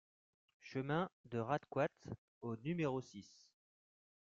Chemin de Ratequats au numéro six